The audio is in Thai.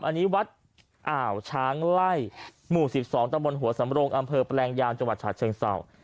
อันนี้วัดอ่าวช้างไล่หมู่๑๒ตำบลหัวสำรงอำเภอแปลงยาวจังหวัดฉะเชิงเศร้า